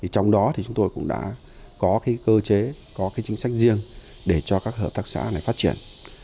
trong đó thì chúng tôi cũng đã có cái cơ chế có chính sách riêng để cho các hợp tác xã này phát triển